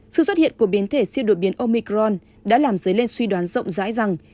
sự xuất hiện của biến thể siêu đột biến omicron đã làm dấy lên suy đoán rộng rãi rằng